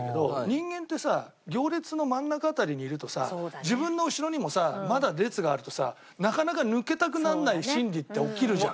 人間ってさ行列の真ん中辺りにいるとさ自分の後ろにもさまだ列があるとさなかなか抜けたくならない心理って起きるじゃん。